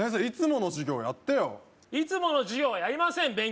いつもの授業やってよいつもの授業はやりません